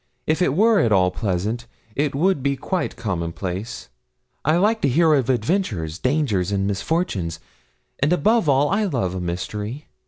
If it were at all pleasant, it would be quite commonplace. I like to hear of adventures, dangers, and misfortunes; and above all, I love a mystery.